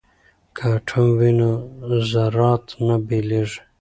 که اټوم وي نو ذرات نه بېلیږي.